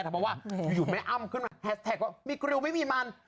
เพราะว่าอยู่แม่อ้ำขึ้นมาแฮสแท็กว่ามีกริวไม่มีมัน